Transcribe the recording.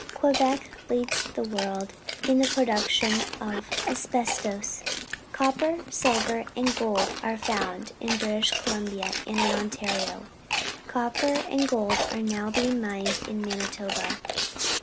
Quebec leads the world in the production of asbestos. Copper, silver, and gold are found in British Columbia and in Ontario. Copper and gold are now being mined in Manitoba.